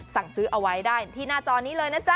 สั่งซื้อเอาไว้ได้ที่หน้าจอนี้เลยนะจ๊